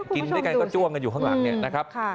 กินด้วยกันก็จ้วงกันอยู่ข้างหลังเนี่ยนะครับ